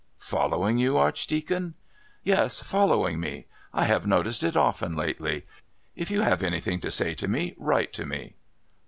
"Following you, Archdeacon?" "Yes, following me. I have noticed it often lately. If you have anything to say to me write to me."